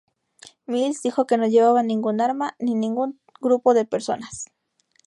Mills dijo que no llevaba ningún arma, ni ningún grupo de personas.